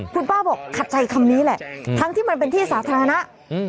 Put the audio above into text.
คุณป้าบอกขัดใจคำนี้แหละทั้งที่มันเป็นที่สาธารณะอืม